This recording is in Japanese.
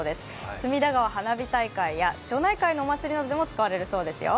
隅田川花火大会や町内会のお祭りなどでも使われるそうですよ。